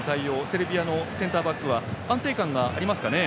セルビアのセンターバックは安定感がありますかね。